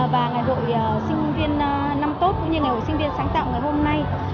và ngày hội sinh viên năm tốt cũng như ngày hội sinh viên sáng tạo ngày hôm nay